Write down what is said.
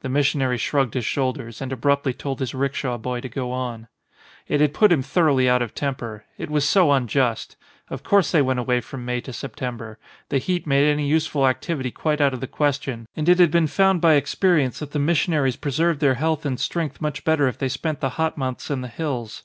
The missionary shrugged his shoulders and abruptly told his rickshaw boy to go on. It had put him thoroughly out of temper. It was so unjust. Of course they went away from May to September. The heat made any useful activity quite out of the question and it had been found by experience that the missionaries pre served their health and strength much better if they spent the hot months in the hills.